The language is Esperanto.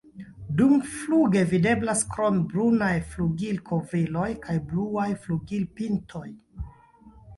Dumfluge videblas krome brunaj flugilkovriloj kaj bluaj flugilpintoj.